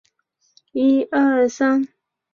温卤面是一种中国朝鲜族面食。